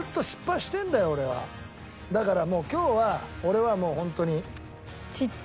だからもう今日は俺はもうホントに。